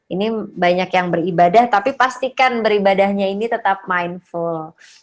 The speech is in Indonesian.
ini banyak yang beribadah tapi pastikan beribadahnya ini tetap mindful